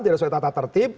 tidak sesuai tata tertib